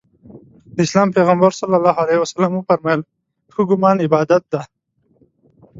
د اسلام پیغمبر ص وفرمایل ښه ګمان عبادت دی.